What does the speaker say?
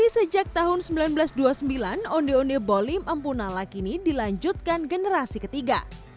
sejak tahun seribu sembilan ratus dua puluh sembilan onde onde bolim empunala kini dilanjutkan generasi ketiga